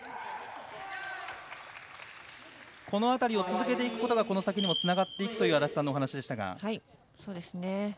この辺りを続けていくことがこの先にもつながるという安達さんのお話でした。